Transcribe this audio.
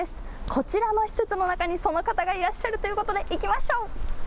こちらの施設の中にその方がいらっしゃるということで行きましょう。